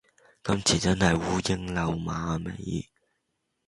今次真係烏蠅褸馬尾